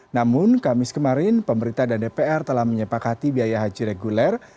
namun kamis kemarin pemerintah dan dpr telah menyepakati biaya haji reguler